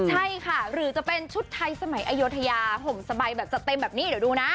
ใช่ค่ะหรือจะเป็นชุดไทยสมัยอโยธยาห่มสบายแบบจะเต็มแบบนี้เดี๋ยวดูนะ